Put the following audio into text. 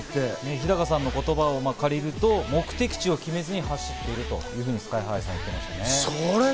日高さんの言葉を借りると、目的地を決めずに走っているとおっしゃっていましたね。